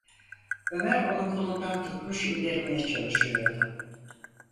Ömer onu kolundan tutmuş indirmeye çalışıyordu.